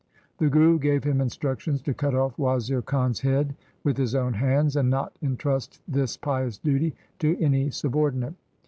The Guru gave him instructions to cut off Wazir Khan's head with his own hands, and not entrust this pious duty to any subordinate.